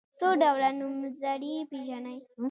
څو ډوله نومځري پيژنئ.